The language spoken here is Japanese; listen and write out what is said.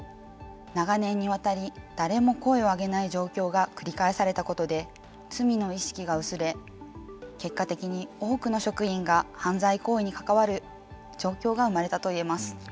長年にわたり誰も声を上げない状況が繰り返されたことで罪の意識が薄れ結果的に多くの職員が犯罪行為に関わる状況が生まれたといえます。